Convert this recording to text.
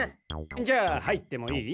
じゃあ入ってもいい？